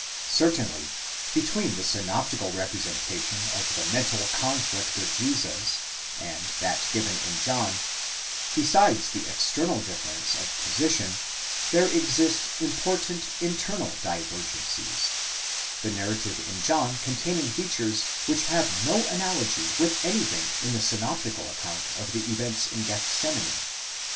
4 Certainly, between the synoptical representation of the mental conflict of Jesus and that given in John, besides the external difference of position, there exist important internal divergencies; the narrative in John containing features which have no analogy with anything in the synoptical account of the events in Gethsemane.